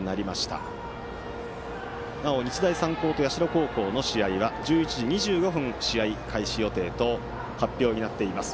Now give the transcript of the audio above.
なお、日大三高と社高校の試合は１１時２５分試合開始予定と発表になっています。